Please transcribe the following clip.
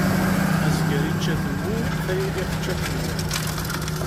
Azger ičča atemmu, tayuga tečča atemmu.